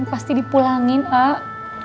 kamu pasti dipulangin pak